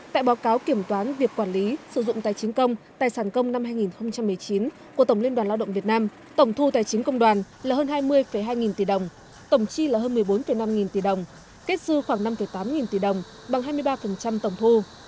tại báo cáo kiểm toán việc quản lý sử dụng tài chính công tài sản công năm hai nghìn một mươi chín của tổng liên đoàn lao động việt nam tổng thu tài chính công đoàn là hơn hai mươi hai nghìn tỷ đồng tổng chi là hơn một mươi bốn năm nghìn tỷ đồng kết dư khoảng năm tám nghìn tỷ đồng bằng hai mươi ba tổng thu